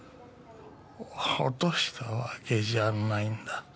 落としたわけじゃないんだ。